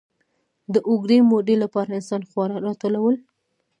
د اوږدې مودې لپاره انسان خواړه راټولول.